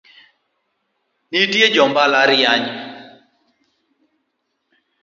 Nitie jo mbalariany